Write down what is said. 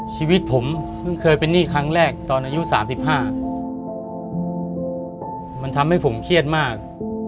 ชีวิตผมเพิ่งเคยเป็นหนี้ครั้งแรกตอนอายุ๓๕มันทำให้ผมเครียดมาก